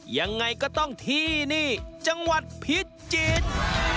ยังไงก็ต้องที่นี่จังหวัดพิจิตร